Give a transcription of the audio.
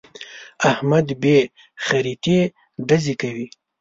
احمد بې خريطې ډزې کوي.